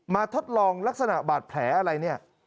มาทดลองลักษณะบาดแผลอะไร